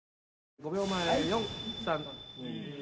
５秒前４３２。